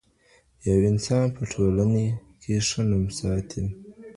يو انسان په ټولني کي ښه نوم ساتي.